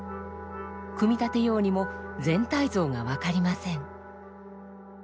組み立てようにも全体像が分かりません。